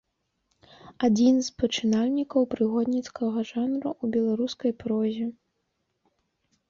Адзін з пачынальнікаў прыгодніцкага жанру ў беларускай прозе.